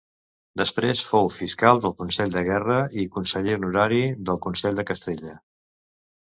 Després fou fiscal del Consell de Guerra i conseller honorari del Consell de Castella.